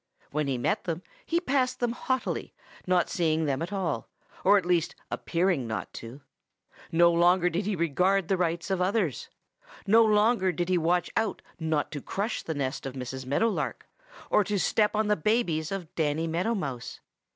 When he met them he passed them haughtily, not seeing them at all, or at least appearing not to. No longer did he regard the rights of others. No longer did he watch out not to crush the nest of Mrs. Meadow Lark or to step on the babies of Danny Meadow Mouse.